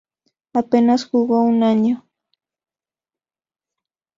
Apenas jugó un año.